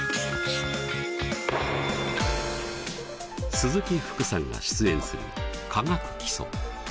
鈴木福さんが出演する「化学基礎」。